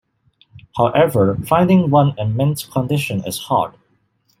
However, finding one in mint condition is hard.